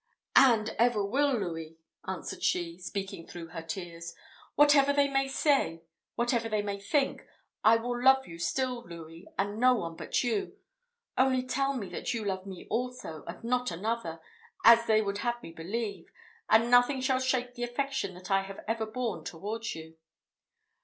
"And ever will, Louis!" answered she, speaking through her tears. "Whatever they may say, whatever they may think, I will love you still, Louis, and none but you. Only tell me that you love me also, and not another, as they would have me believe, and nothing shall shake the affection that I have ever borne towards you."